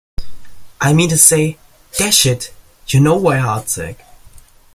I mean to say — dash it, you know why hearts ache!